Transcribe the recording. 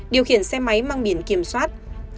điều khiển xe máy mang biển kiểm soát